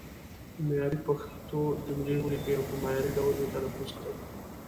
معیاري پښتو جملې ولیکئ او په معیاري ډول یې تلفظ کړئ.